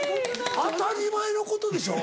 当たり前のことでしょ？